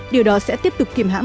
điều đó sẽ tiếp tục kiềm hãm